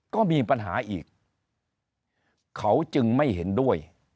ก็มีปัญหาอีกเขาจึงไม่เห็นด้วย